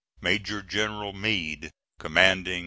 MAJOR GENERAL MEADE, Commanding A.